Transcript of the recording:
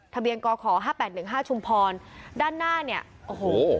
ทะเบียนกข๕๘๑๕ชุมพรด้านหน้าเนี่ยโอ้โห